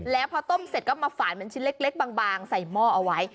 แล้วพอต้มเสร็จก็มาฝานเป็นชิ้นเล็กบางใส่หม้อเอาไว้